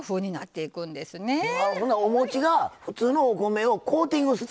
ほんならおもちが普通のお米をコーティングして。